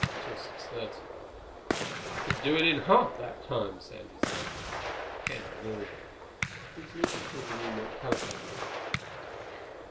"Until six thirty." "I could do it in half that time," Sandy said. Ken ignored him. He was leafing through the New York telephone book.